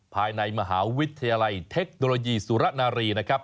ภายในมหาวิทยาลัยเทคโนโลยีสุรนารีนะครับ